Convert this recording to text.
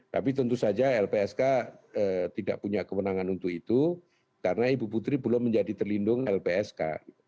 tapi tentu saja lpsk tidak punya kewenangan untuk itu karena ibu putri belum menjadi terlindung lpsk